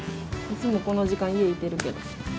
いつもこの時間家いてるけど。